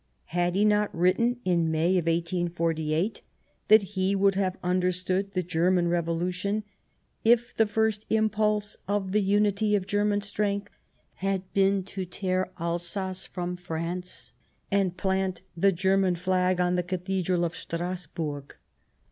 Had he not written, in May 1848, that he would have understood the German revolution, " if the first impulse of the unity of Ger man strength had been to tear Alsace from France and plant the German flag on the cathedral of Strasburg